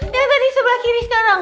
yang tadi sebelah kiri sekarang